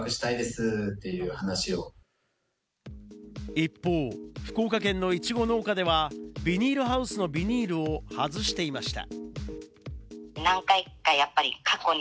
一方、福岡県のイチゴ農家では、ビニールハウスのビニールを外していました。